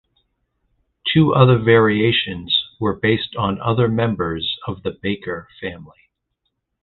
Two other variations were based on other members of the Baker family.